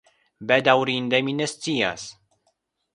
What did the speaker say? Bedaŭrinde mi ne scias.